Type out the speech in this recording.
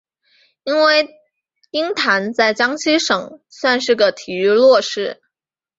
因为鹰潭在江西省算是个体育弱市。